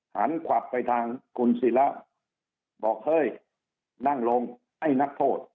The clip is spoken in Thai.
ขวับไปทางคุณศิระบอกเฮ้ยนั่งลงไอ้นักโทษ